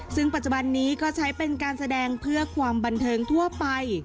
ซึ่งปัจจุบันนี้ก็ใช้เป็นการแสดงเพื่อความบันเทิงทั่วไป